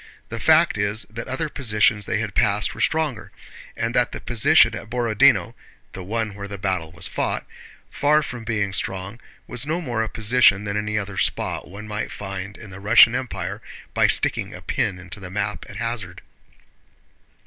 The fact is that other positions they had passed were stronger, and that the position at Borodinó (the one where the battle was fought), far from being strong, was no more a position than any other spot one might find in the Russian Empire by sticking a pin into the map at hazard.